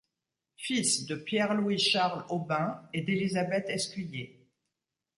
Fils de Pierre Louis Charles Aubin et d'Elisabeth Escuyer.